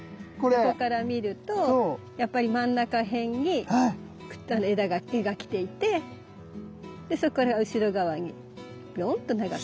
横から見るとやっぱり真ん中辺に柄が来ていてそこから後ろ側にビヨンと長く。